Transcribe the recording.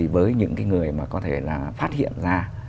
với những cái người mà có thể là phát hiện ra